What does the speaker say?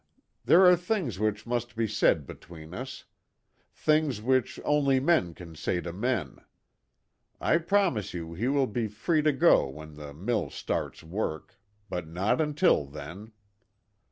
"There are things which must be said between us. Things which only men can say to men. I promise you he will be free to go when the mill starts work but not until then."